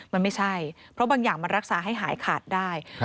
มันไม่ใช่เพราะบางอย่างมันรักษาให้หายขาดได้